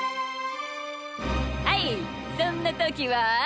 はいそんなときは？